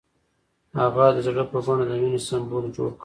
هغه د زړه په بڼه د مینې سمبول جوړ کړ.